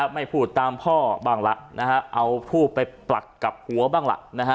ไม่พูดตามพ่อบ้างละเอาผู้ไปปลัดกับหัวบ้างล่ะ